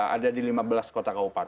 ada di lima belas kota kabupaten